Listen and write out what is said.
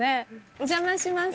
お邪魔します。